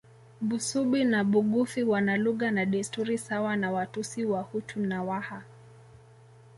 Busubi na Bugufi wana lugha na desturi sawa na Watusi Wahutu na Waha